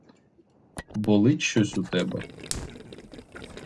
Болить щось у тебе?